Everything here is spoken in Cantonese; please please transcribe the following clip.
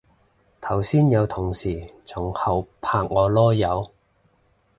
頭先有同事從後拍我籮柚